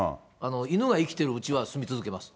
犬が生きているうちは住み続けます。